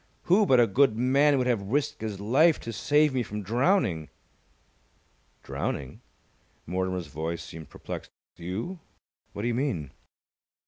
Who but a good man would have risked his life to save me from drowning?" "Drowning?" Mortimer's voice seemed perplexed. "You? What do you mean?"